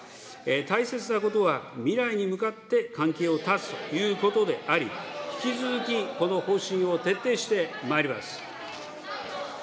大切なことは、未来に向かって関係を断つということであり、引き続きこの方針を徹底してまいります。